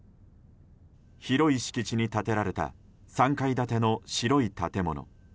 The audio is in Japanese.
広い敷地に建てられた３階建ての白い建物。